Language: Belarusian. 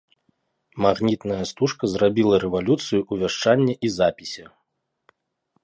Магнітная стужка зрабіла рэвалюцыю ў вяшчанні і запісе.